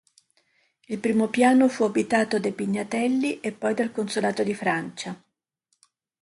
Il primo piano fu abitato dai Pignatelli e poi dal Consolato di Francia.